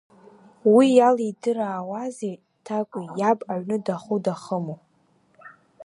Уи иалидыраауазеи Ҭакәи иаб аҩны даху дахыму?